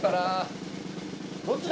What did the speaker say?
どっちだ？